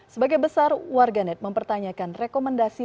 sebagai besar warganet mempertanyakan rekomendasi